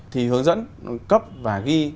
thì hướng dẫn cấp và ghi